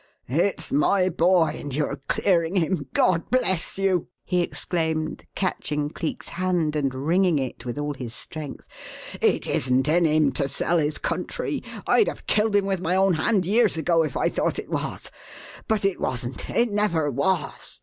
"It's my boy and you're clearing him God bless you!" he exclaimed, catching Cleek's hand and wringing it with all his strength. "It isn't in him to sell his country; I'd have killed him with my own hand years ago, if I thought it was. But it wasn't it never was!